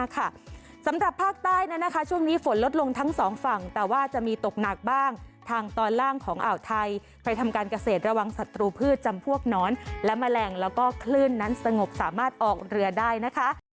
สำหรับภาคใต้ช่วงนี้ฝนลดลงทั้งสองฝั่งแต่ว่าจะมีตกหนักบ้างทางตอนล่างของอ่าวไทยใครทำการเกษตรระวังศัตรูพืชจำพวกหนอนและแมลงแล้วก็คลื่นนั้นสงบสามารถออกเรือได้นะคะ